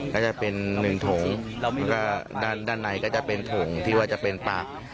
นั่นจะเป็นหนึ่งโถงด้านในก็จะเป็นโถงที่ว่าจะเป็นปาก